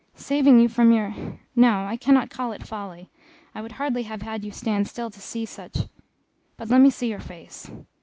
"Saving you from your no, I cannot call it folly, I would hardly have had you stand still to see such but let me see your face."